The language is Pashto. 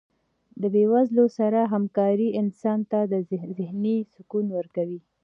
د بې وزلو سره هکاري انسان ته ذهني سکون ورکوي.